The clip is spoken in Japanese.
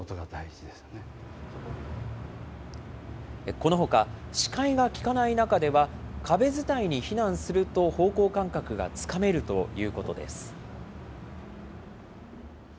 このほか、視界が利かない中では、壁伝いに避難すると方向感覚がつかめるということです。